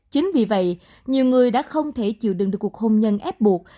chính vì vậy nhiều người đã không thể chịu đựng được cuộc hôn nhân ép buộc